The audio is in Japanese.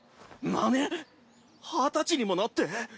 何⁉二十歳にもなって？